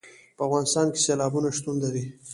په افغانستان کې سیلابونه شتون لري.